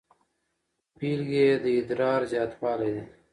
بیلګې یې د ادرار زیاتوالی دی.